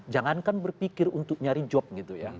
jangankan berpikir untuk nyari job gitu ya